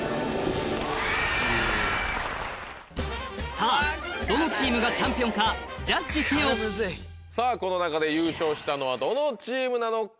さぁどのチームがチャンピオンがジャッジせよさぁこの中で優勝したのはどのチームなのか。